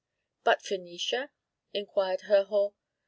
"But Phœnicia?" inquired Herhor.